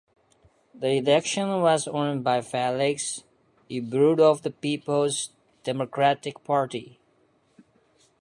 The election was won by Felix Ibru of the Peoples Democratic Party.